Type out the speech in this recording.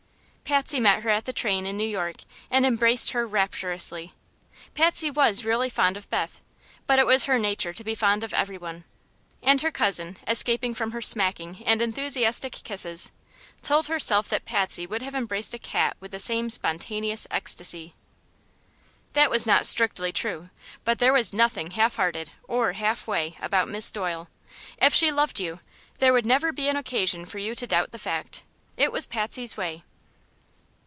Patsy met her at the train in New York and embraced her rapturously. Patsy was really fond of Beth; but it was her nature to be fond of everyone, and her cousin, escaping from her smacking and enthusiastic kisses, told herself that Patsy would have embraced a cat with the same spontaneous ecstacy. That was not strictly true, but there was nothing half hearted or halfway about Miss Doyle. If she loved you, there would never be an occasion for you to doubt the fact. It was Patsy's way.